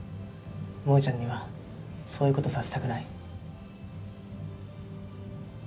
萌ちゃんにはそういうことさせたくない。